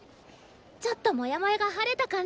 ちょっとモヤモヤが晴れた感じ。